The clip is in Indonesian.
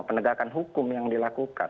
penegakan hukum yang dilakukan